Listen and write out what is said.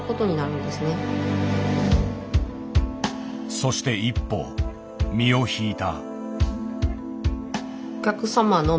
そして１歩身を引いた。